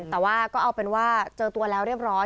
แต่ว่าก็เอาเป็นว่าเจอตัวแล้วเรียบร้อย